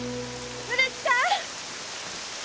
古木さん！